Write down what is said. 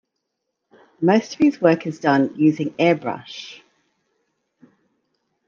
Most of his work is done using airbrush.